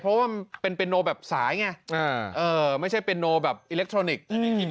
เพราะว่ามันเป็นโนแบบสายไงไม่ใช่เป็นโนแบบอิเล็กทรอนิกส์